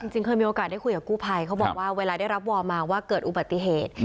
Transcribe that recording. จริงเคยมีโอกาสได้คุยกับกู้ภัยเขาบอกว่าเวลาได้รับวอร์มาว่าเกิดอุบัติเหตุ